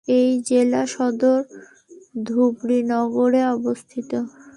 এটির জেলা সদর ধুবড়ী নগরে অবস্থিত।